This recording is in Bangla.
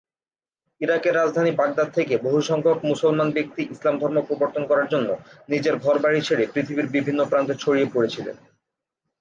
ইরাকের রাজধানী বাগদাদ থেকে বহুসংখ্যক মুসলমান ব্যক্তি ইসলাম ধর্ম প্রবর্তন করার জন্য নিজের ঘর-বাড়ি ছেড়ে পৃথিবীর বিভিন্ন প্রান্তে ছড়িয়ে পরেছিলেন।